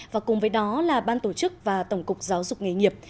và cùng với đó là ban tổ chức và tổng cục giáo dục nghề nghiệp